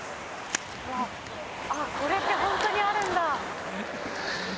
これって本当にあるんだ！